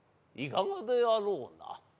いかがであろうな。